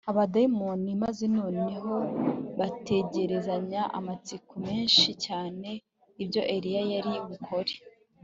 abadayimoni maze noneho bategerezanya amatsiko menshi cyane ibyo Eliya ari bukore